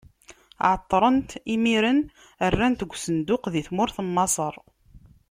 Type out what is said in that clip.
Ɛeṭṭren-t, imiren rran-t deg usenduq, di tmurt n Maṣer.